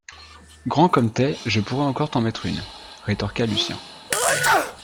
grand comme t’es je pourrais encore t’en mettre une, rétorqua Lucien